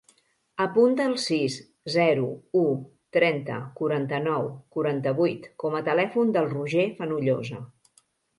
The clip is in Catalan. Apunta el sis, zero, u, trenta, quaranta-nou, quaranta-vuit com a telèfon del Roger Fenollosa.